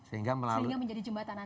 sehingga menjadi jembatan antara